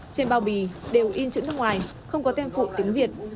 trên bao bì đều in chữ nước ngoài không có tem phụ tiếng việt